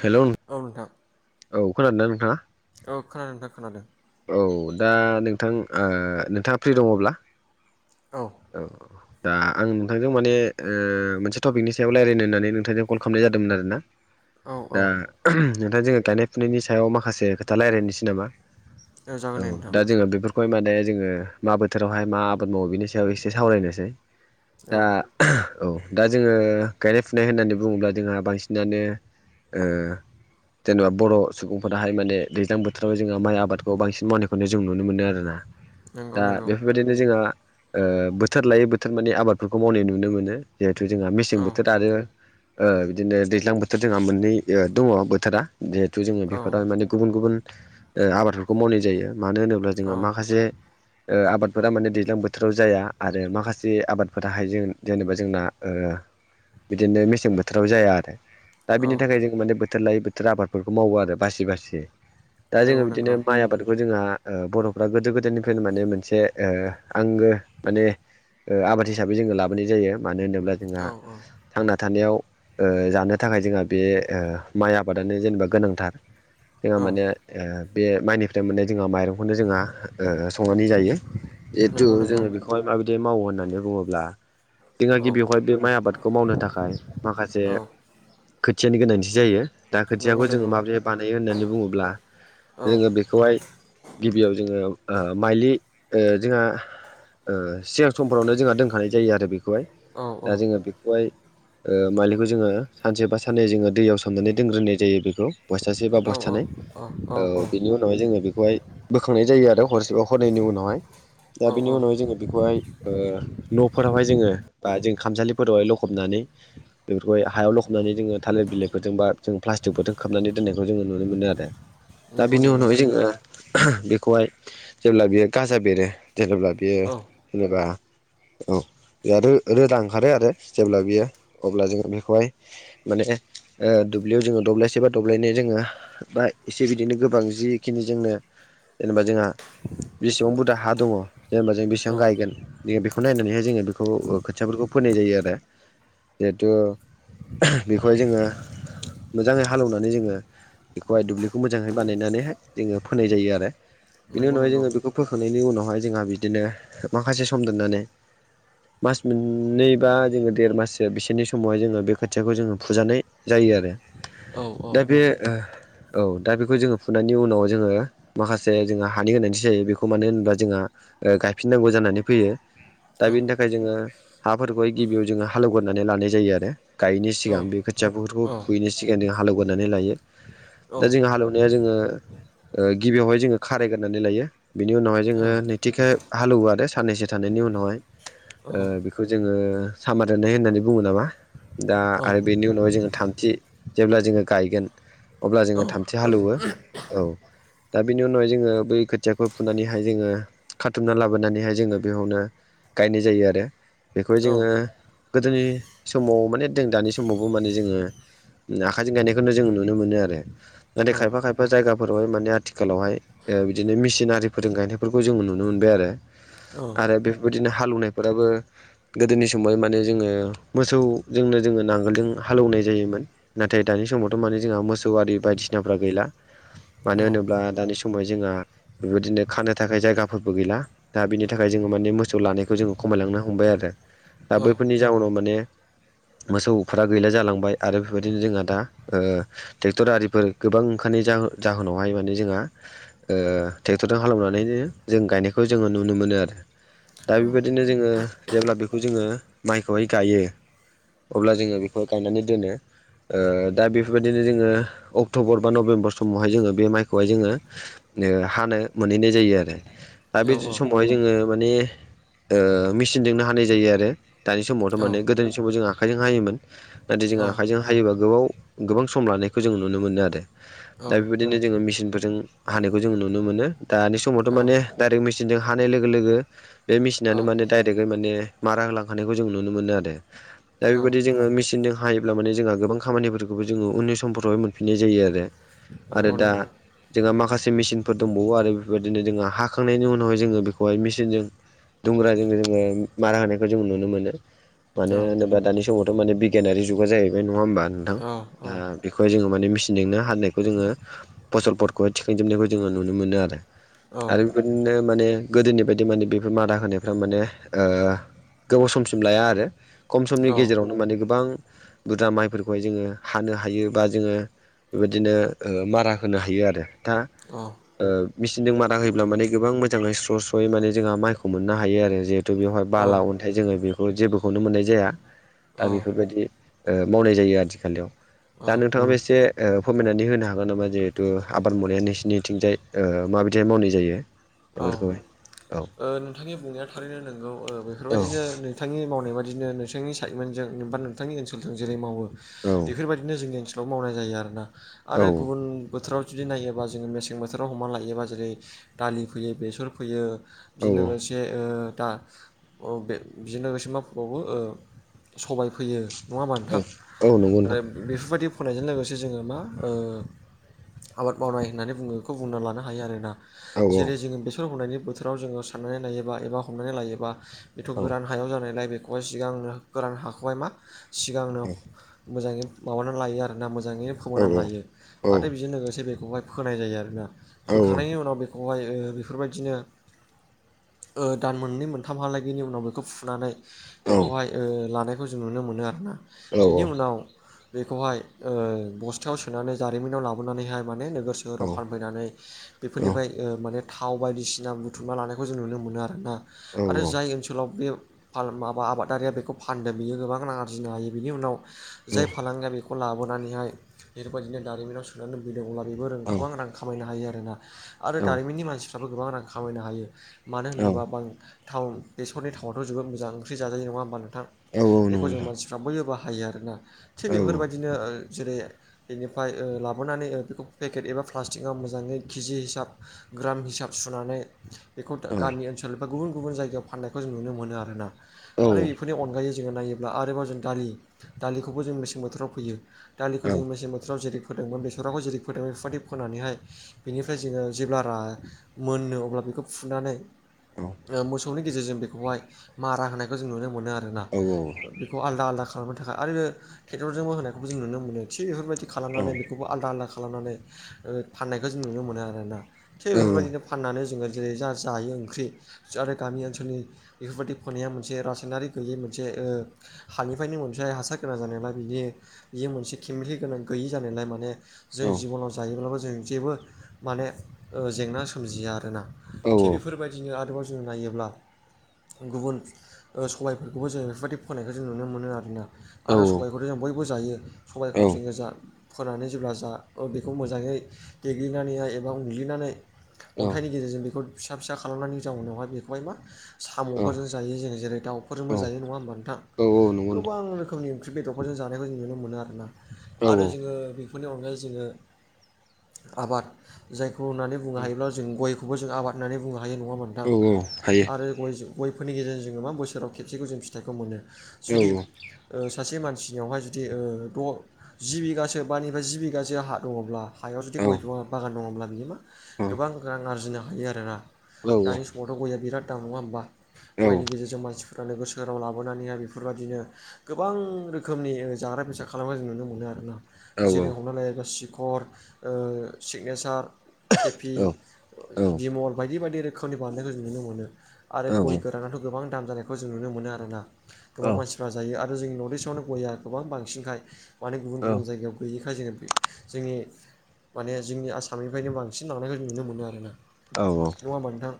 हेल' औ नोंथां औ खोनादों ना नोंथाङा? औ खोनादों नोंथां खोनादों। औ दा नोंथां ओ नोंथाङा फ्रि दङब्ला। औ औ दा आं नोंथांजों माने ओ मोनसे टपिकनि सायाव रायज्लायनो होननानै नोंथांजों कल खालामनाय जादों। आरोना औ औ दा नोंथां जोङो गायनाय फुनायनि सायाव माखासे खोथा रायलायनिसै। नामा औ जागोन दे नोंथां दा जोङो बेफोरखौहाय माने जोङो मा बोथोरावहाय मा आबाद मावो बेनि सा सायाव एसे सावरायनोसै औ दा औ दा जोङो गायनाय फुनाय होननानै बुङोब्ला जोंहा बांसिनानो ओ जेनेबा बर' सुबुंफोराहाय माने दैज्लां बोथोराव जोंहा माइ आबादखौ बांसिन मावनायखौनो जों नुनो मोनो आरोना। नंगौ दा नंगौ बेफोरबायदिनो जोंहा बोथोर लायै बोथोर माने आबादफोरखौ मावनाय नुनो मोनो। जिहेथु जोंहा मेसें औ बोथोर आरो ओ बिदिनो दैज्लां बोथोर जोंहा मोननै दङ बोथोरा जिहेथु जोङो औ बेफोराव माने गुबुन गुबुन ओ आबादफोरखौ मावनाय जायो मानो होनोब्ला औ जोंहा माखासे ओ आबादफोरा माने दैज्लां बो थोराव जाया आरो माखासे आबादफोर हायो जों जेनेबा जोंना ओ बिदिनो मेसें बोथोराव जाया आरो दा औ बिनि थाखाय जों माने बोथोर लायै बोथोर आबादफोरखौ मावो आरो बासि बासि ए दा जोङो नंगौ बिदिनो नंगौ माइ आबादखौ जोंहा बर'फ्रा गोदो गोदायनिफ्रायनो माने मोनसे आंगो माने आबाद हिसाबै जोङो लाबोनाय जायो मानो होनोब्ला जोंहा औ थांना थानायाव जानो थाखाय जोंहा बे माइ आबादानो जेनेबा गोनांथार जोंहा औ माने बे माइनिफ्राय माने जोंहा माइरंखौनो जोंहा संनानै जायो। जिेथु नंगौ नंगौ जोङो बेखौहाय माबायदि मावो होननानै बुङोब्ला जोंहा औ गिबियावहाय बे माइ आबादखौ मावनो थाखाय माखासे औ खोथियानि गोनांथि जायो दा नंगौ खोथियाखौ जोङो नंगौ माबोरै बानायो होननानै बुङोब्ला औ जोङो बे बेखौहाय गिबियाव जोङो माइलि जोंहा सिगां समफोरावनो जोंहा दोनखानाय जायो आरो बेखौहाय औ दा जोङो बेखौहाय मालिखौ जोङो सानसे बा साननै जोङो दैयाव सोमनानै दोनग्रोनाय जायो बेखौ बस्थासे बा औ बस्थानै औ बेनि उनाव उनावहाय जोङो बेखौहाय बोखांनाय जायो आरो हटसेपाव हरनायनि उनावहाय दा औ बेनि औ उनावहाय जोङो बेखौहाय न'फोरावहाय जोङो बा जों खामसालिफोरावहाय लखबनानै बेफोरखौ हायाव लखबनानै जोङो थालिर बिलाइफोरजों बा जों प्लास्टिकफोरजों खाबनानै दोननायखौ जोङो नुनो मोनो आरो। दा नंगौ बेनि नंगौ उनावहाय जोङो बेखौहाय जेब्ला बेयो गाजा बेरो जेनेबा बेयो औ जेनेबा औ बे रोदा ओंखारो आरो जेब्ला बियो अब्ला जोङो बेखौहाय माने दुब्लियाव जोङो दब्लायसे बा दब्लायनाय जोङो बा एसे बिदिनो गोबां जिखिनि जोंनो जेनेबा जोंहा बेसेबां बुरजा हा दङ जेनेबा जों बेसेबां औ गायगोन जोङो बेखौ नायनानैहाय जोङो बेखौ खोथियाफोरखौ फोननाय जायो आरो। जिहेथु बेखौहाय जोङो मोजाङै हालेवनानै जोङो बेखौहाय दुब्लिखौ मोजाङै बानायनानैहाय जोङो फोनाय जायो आरो। बिनि नंगौ उनावहाय नंगौ जोङो बेखौ फोखांनायनि उनावहाय जोंहा बिदिनो माखासे सम दोननानै मास मोननै बा जोङो देर माससो बिसोरनि समावहाय जोङो बे खोथियाखौ जोङो फुजानाय जायो आरो औ औ दा बे ओ औ दा बेखौ जोङो फुनायनि उनाव जोङो माखासे जोंहा हानि गोनांथि जायो बेखौ मानो होनोब्ला जोंहा गायफिननांगौ जानानै फैयो दा औ बेनि थाखाय जोङो हाफोरखौाय गिबियाव जोङो हालेवगोरनानै लानाय जायो आरो। गायनि औ सिगां औ बे खोथियाफोरखौ फुयैनि सिगां जों हालेवगोरनानै लायो। दा जों हालेवनाया जोङो। गिबियावहाय जोङो खारायगारनानै लायो बिनि उनावहाय जोङो गथिखाय हालेवो आरो साननैसो थानायनि उनावहाय बेखौ जोङो सामाोननाय होननानै बुङो नामा? दा आरो बेनि उनावहाय जोङो थामथि जेब्ला जोङो गायगोन। अब्ला जोङो थामथि हालौवो औ। दा बिनि उनावहाय जोङो बै खोथियाखौ फुनानैहाय जोङो खाथुमना लाबोनानैहाय जोङो बेयावनो गायनाय जायो आरो। बेखौहाय जोङो गोदोनि समाव माने जों दानि समावबो माने जोङो। आखाइजों गायनायखौनो जों नुनो मोनो आरो। नाथाय खायफा खायफा जायगाफोरावहाय माने आथिखालावहाय बिदिनो मेसिनारि फोरों गायनायफोरखौ जों नुनो मोनो। नुनो मोनबाय आरो आरो बेफोरबायदिनो हालौवनायफोराबो गोदोनि समाव माने जोङो मोसौजोंनो जोङो नांगोलजों हालौवनाय जायोमोन। नाथाय दानि समावथ' माने जोंहा मोसौआरि बायदिसिनाफ्रा गैला मानो होनोब्ला दानि समाव जोंहा बेबायदिनो खानो थाखाय जायगा फोरबो गैला दा बिनि थाखाय जोङो माने मोसौ लानायखौ जोङो खमायलांनो हमबाय आरो। दा औ बैफोरनि जाउनाव माने मोसौफोरा गैला जालांबाय आरो बेबायदिनो जोंहा दा ट्रेक्टर आरिफोर गोबां ओंखारनाय जाहोनावहाय माने जोंहा ट्रेक्टरजों खालामनानै जों गायनायखौ जोंङो नुनो मोनो आरो। दा औ बेबायदिनो जोंङो जेब्ला बेखौ जोंङो माइखौहाय गायो। अब्ला जोंङो बेखौ गायनानै दोनो। दा बेफोरबायदिनो जोङो अक्ट'बर बा नभेम्बर समावहाय जोंङो बे माइखौहाय जोंङो हानो मोनहैनाय जायो आरो दा बे समावहाय जोंङो माने मेसिनजोंनो हानाय जायो आरो दानि समावथ' औ माने गोदोनि समाव जों आखाइजों हायोमोन। नाथाय जों औ आखाइजों हायोबा गोबाव गोबां सम लानायखौ जों नुनो मोनो आरो। औ दा बेबायदिनो जोंङो मेसिनफोरजों हानायखौ जों नुनो मोनो दानि समावथ' माने दायरेग मेसिनजों हानाय लोगो लोगो बे औ मेसिनानो माने दडाइरेक्टै माने मारा होलांखानायखौ जों नुनो मोनो आरो। दा औ बेबायदि जोङो मेसिनजों हायोब्ला माने जोंहा गोबां खामानिफोरखौबो जोङो उननि समफोरावहाय मोनफिननाय जायो आरो। आरो नंगौ दा नंगौ जोंहा माखासे मेसिनफोर दंबावो आरो बेफोरबायदिनो जोंहा हा हखांनायनि उनावहाय जोंङो बेखौहाय मेसिनजों दुंग्राजों जोंङो मारा होनायखौ जोंङो नुनो मोनो। औ मानो होनोबा दानि समावथ' माने बिगियानारि जुगा जाहैबाय नंङा होमबा नोंथां? औ औ दा बेखौहाय जोंङो माने मेचिनजोंनो हाननायखौ जोंङो। फसलफोरखौहाय थिखांजोबनायखौ जोङो नुनो मोनो आरो। औ आरो बेबायाददिनो माने गोदोनि बायदि माने बेफोर मादा होनायफ्रा माने गोबाव समसिम लाया आरो खम समनि औ गेजेरावनो माने गोबां बुरदा माइफोरखौहाय जोङो हानो हायो बा जोंङो बेबायदिनो मारा होनो हायो आरो दा मेचिनजों मारा होयो। अब्ला माने गोबां मोजाङै स्र' स्र'यै माने जोंहा माइखौ मोननो हायो आरो जिहेथु बेवहाय बाला अन बेाय जोंङो बेखौ जेबोखौनो मोननाय जाया दा बेफोरबायदि मावनाय जायो आथिखालाव। औ दा नोंथांङाबो एसे फोरमायनानै होनो हागोन नामा जिहेथु आबाद मावनाया नोंसिनिथिंजाय। माबायदिहाय मावनाय जायो औ औ बेफोरखौहाय। औ नोंथांनि बुंनाया थारैनो नोंगौ औ बेफोरबायदिनो नोंथांनिनाय बाददिनो नोंथांनि साइमेन्जों बा नोंथनि ओनसोलजों जेरै मावो औ बेफोरबायदि बेनो जोंनि ओनसोलाव मावनाय जायो आरोना औ आरो गुबुन बोथोराव। जुदि नायोबा जोंङो मेसें बोथोराव हमना लायोबा जेरै दालि फोयो, बेसर फोयो [unintelligible] औ लोगोसे ज दा बेजों लोगोसे माबावबो सबाय फैयो। नंङा औ बान्था औ नंगौ आरो नोंथां बेफोरबायदि फरायनायजों लोगोसे जोंङो मा ओ आबाद मावनाय होननानै बुंङो बेखौ बुंना लानो हायो आरो। औ जेरै जोंङो बेसर हमनायनि बोथोराव जोङो साननानै लायोबा एबा हमनानै लायोबा बेथ' औ गोरानायो। हायाव जानायलाय बेखौहाय सिगांनो गोरान हाखहाय मा सिगांनो मोजां माबानानै लायो आर ना मोजाङैनो औ फोमोनानै लायो औ आरो बेजों लोगोसे बेखौहाय फोनाय जायो आरोना। औ फोखांनायनि उनाव बेखौहाय बेफोरबादिनो ओ दान मोननै मोनथामहालागैनि उनाव बेखौ फुनानै बेखौहाय ओ लानायखौ जों नुनो मोनो आरोना औ बेनि उनाव बेखौहाय बस्थायाव सोनानै जारिमिनाव लाबोनानैहाय माने जोहोराव फानफैनानै बेफोरनिफ्राय माने थाव बायदिसिना बुथुमना लानाय। बे खौ जों नुनो मोनो आरोना आरो जाय ओनसोलाव बे माबा आबादारिया बेखौ फानदों बियो गोबां रां आरजिनो हायो बिनि उनाव जाय फालांगिया बेखौ लाबोनानैहाय बेफोरबादिनो दारिमिनाव सो होननानै लुबैदों अब्ला बेबो गोबां रां खामायनो हायो आरोना औ आरो दारिमिननि मानसिफ्राबो गोबां रां खामायनो हायो। मानो होनोबा ब थावन बेसरनि थाउावाथ' जोबोद मोजां ओंख्रि जाजायो नङा होनोब्लानो थां नंगौ बेखौ जों नोंथां मानसिफ्रा बयबोबोाहायो आरोना औ थिग नंगौ बेफोरबादिनो जेरै बेनिफ्राय लाबोनानै बेखौ पेकेट एबा प्लास्टिकआव मोजाङै केजि हिसाब ग्राम हिसाब सुनानै बेखौ गामि ओनसोल बा गुबुन गुबुन जायगायाव फाननायखौ जों नुनो मोनो आरोना नोंथां आरो औ बेफोरनि अनगायै जोङो नायोब्ला आरोबाव जों दालि दालिखौबो जों मेसें बोथोराव फैयो दालिखौ औ जों मेसें बोथोराव जेरै फोदोंमोन बेसरावखौ जेरै फोदोंमोन बेफोरबादि फोनानैहाय बेनिफ्राय जोङो जेब्ला रा मोनो अब्ला फुनानै मोसौनि गेजेरजों बेखौहाय मारा होनायखौ जों नुनो मोनो आरो। आरोना औ नंगौ बेखौ आलदा आलदा खालामनो थाखाय आरो बे ट्रेक्टरजोंबो होनायखौबो जों नुनो मोनो थिग बेफोरबादि खालामनानै नोंथां बेफोरखौ आलदा आलदा खालामनानै फनाय जों नुनो मोन आरोना बेफोरबादिनो फाननानै जोङो जेरै जा-जायो ओंख्रि नाथाइ गामि ओनसोलनि बेफोरबायदि खनाया मोनसे रासायनारि गैयै मोनसे ओ हानिफ्रायनो मोनसे हासार गोनां जानायलाय बिनि बियो मोनसे केमिकेल गोनां गैयि जानायलाय माने औ जों जिबनाव जायोब्लाबो जों जेबो माने ओ जेंना सोमजिया आरोना। थिग बेफोरबायदिनो आरोबाव जों नायोब्ला गुबुन सबायफोरखौबो जों बेफोरबायदि फोनायखौ जों नुनो मोनो आरोना आरो सबबायखौथ जों बयबो जायो सबायखौ जोंङो जा फोनानै जेब्ला जा बेखौ मोजाङै देग्लिनानैह एबा उनग्लिनानै अन्थाइनि गेजेरजों बेखौ फिसा फिसा खालामनायनि जाउनावहाय बेखौहाय मा साम'फोरजों जायो जों जेरै दाउफोरजोंबो जायो नङा होमबा नोंथां गोबां रोखोमनि फ्रि बेदरफोरजों जानायखौ जों नुनो मोनो आरोना आरो जोङो नि अनगायै जोङो आबाद जायखौ होननानै बुंनो हायोब्ला जों गयखौबो जों आबाद होननानै बुंनो हायो नङा होमबा नोंथां? [unintelligible] आरो गयफोरनि गेजेरजों जोङो मा बोसोराव खेबसेखौ जों फिथाइखौ मोनो जुदि सासे मानसिनियावहाय जुदि ओ द। जि बिगासो बानिफ्राय जि बिगासो हा दङब्ला हायाव जुदि गय बागान दङब्ला बियो मा? गोबां रां आरजिनो हायो आरोना दानि समावथ' गयआ बिराद दाम नङा होमबा। गयनि गेजेरजों मानसिफोर नोगोर सोहोराव लाबोनानैहाय बेफोरबायदिनो गोबां रोखोमनि जाग्रा बेसाद खालामनायखौ जों नुनो मोनो आरोना। जेरै हमना लायोबा सिखर ओ सिगनेसार केपि बिमल बायदि बायदि रोखोमनि बानायनायखौ जों नुनो मोनो। आरो गय गोरानाथ' गोबां दाम जानायखौ जों नुनो मोनो आरोना। गोबां मानसिफ्रा जायो आरो जोंनि नर्थ इस्टआवनो गया गोबां बांसिनखाय माने गुबुन गुबुन जायगायाव गैयिखाय जोङो बे जोंनि माने जोंनि आसामनिफ्रायनो बांसिन लांनायबाय नुनो मोनो आरोना। नङा होमबा नोंथां?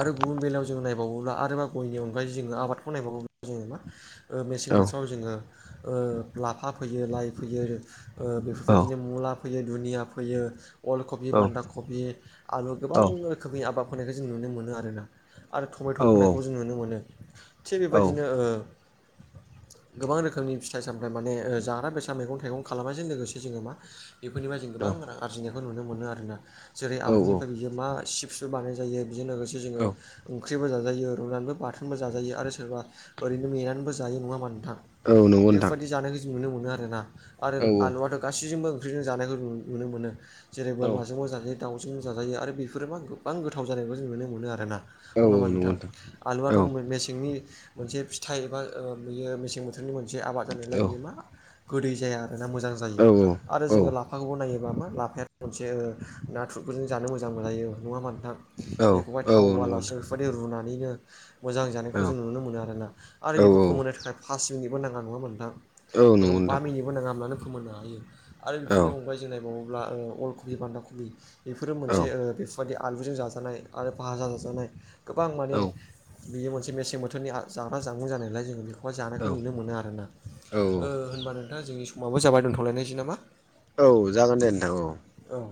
आरो गुबुन बेलायाव जों नायबावोब्ला आरोबा गयनि अनगायै जोङो आबादखौ नायबावोब्ला जोङो मा ओ मेसें बोथोराव जोङो ओ लाफा फोयो लाइ फोयो रो ओ बेफोरबायदिनो मुला फैयो दुनिया फैयो अल कबि बान्दा कबि। आलु गोबां रोखोमनि आबाद फोनायखौ जों नुनो मोनो आरोना। आरो टमेट' फोनायखौ जों नुनो मोनो। थिग बेबायदिनो ओ गोबां रोखोमनि फिथाइ सामथाइ माने ओ जाग्रा बेसाद मेगं थाइगं खालामनायजों लोगोसे जोङो मा इफोरनिफ्राय जों गोबां रां आरजिनायखौ नुनो मोनो आरोना। जेरै आलुनिफ्राय बियो मा सिप्सबो बानाय जायो। बिजों लोगोसे जोङो ओंख्रिबो जाजायो रुनानैबो बाथोनबो जाजायो आरो सोरबा ओरैनो मेनानैबो जायो नङाबा नोंथां? बेफबादि जानायखौ जों नुनो मोनो आरोना। आरो आलुआथ' गासिबजोंबो ओंख्रिजों जानायखौ नु नुनो मोनो जेरै बोरमाजोंबो जायो। दाउजोंनो जाजायो आरो बेफोरो मा गोबां गोथाव जानायखौ जों नुनो मोनो आरोना। नङा होमबा नोंथां? आलुआथ' मेसेंनि मोनसे फिथाइ एबा ओ बियो मेसें बोथोरनि मोनसे आबाद जानायलाय बियो मा गोदै जाया आरोना मोजां जायो औ आरो औ जोङो लाफाखौबो नायोबा मा लाफाया मोनसे ओ नाथुरफोरजों जानो मोजां मोनजायो। नङा होनबा नोथां? औ बेखौहाय थाव औ नंगौ होलासिन बेफोरबायदि रुनानैनो मोजां जानायखौ नोंथां जों नुनो मोनो आरोना आरो औ बेखौ फोमोनो थाखाय फास मिनिटबो नङा। होनबा नोंथां? औ नंगौ बेखौ बा नोंथां मिनिटबो नाङा होनब्लानो फोमोननो हायो। आरो औ बेफोरनि अनगायै जों नायबावोब्ला ओ अलकबि बान्दाकबि बेफोरो औ मोनसे ओ बेफोरबायदि आलुजों जाजानाय आरो भाजा जाजानाय गोबां माने बियो मोनसे मेसें बोथोरनि आ जाग्रा जामुं जानायलाय जोङो बेखौहाय जानायखौ औ नुनो मोनो आरोना। औ ओ होनबा नोंथां जोंनि समाबो जाबाय। दोनथ'लायनायसै नामा? औ औ जागोन दे नोंथां औ। औ।